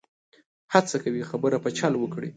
هڅه کوي خبره په چل وکړي.